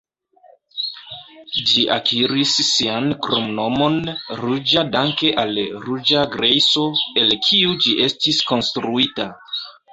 Ĝi akiris sian kromnomon "ruĝa" danke al ruĝa grejso, el kiu ĝi estis konstruita.